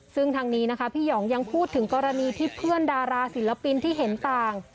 ซึ่งทางนี้นะคะพี่หองยังพูดถึงกรณีที่เพื่อนดาราศิลปินที่เห็นต่าง